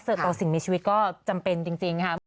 เสิร์ตต่อสิ่งในชีวิตก็จำเป็นจริง